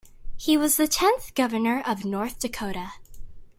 He was the tenth Governor of North Dakota.